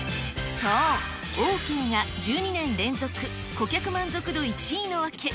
そう、オーケーが１２年連続顧客満足度１位の訳。